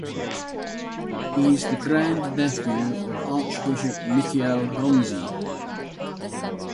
He is the grandnephew of Archbishop Mikiel Gonzi.